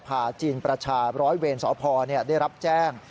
จีนประชาร้อยเวรสพได้รับแจ้ง